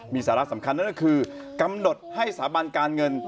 มีสาระสำคัญนั่นก็คือกำหนดให้สถาบันการเงิน